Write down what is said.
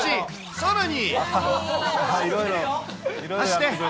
さらに。